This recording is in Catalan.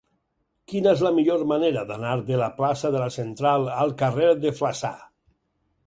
Quina és la millor manera d'anar de la plaça de la Central al carrer de Flaçà?